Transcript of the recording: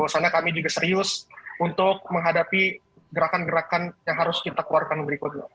soalnya kami juga serius untuk menghadapi gerakan gerakan yang harus kita keluarkan berikutnya